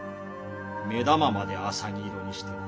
目玉まで浅葱色にしてな。